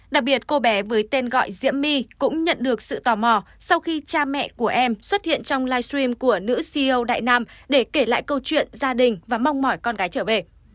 đặc biệt cô bé với tên gọi diễm my cũng nhận được sự tò mò sau khi cha mẹ của em xuất hiện trong livestream của nữ ceo đại nam để kể lại câu chuyện gia đình và mong mỏi con gái trở về